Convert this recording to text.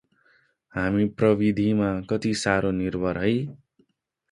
हामी प्रविधिमा कति सारो निर्भर है!